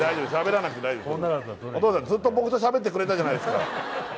ずっと僕としゃべってくれたじゃないですか